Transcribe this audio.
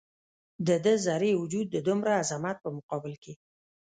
د ده ذرې وجود د دومره عظمت په مقابل کې.